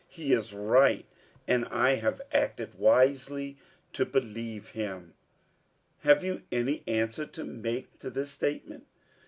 He is right, and I have acted wisely to believe him. Have you any answer to make to this statement?"